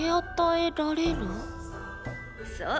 そう。